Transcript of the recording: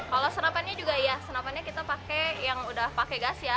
kalau senapannya juga iya senapannya kita pakai yang udah pakai gas ya